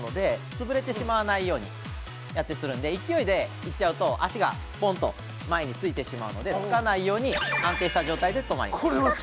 潰れてしまわないように勢いで行っちゃうと、足が、ぽんと前についちゃうので、つかないように安定した状態でとまります。